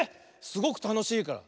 すごくたのしいから。